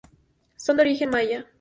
Son de origen maya.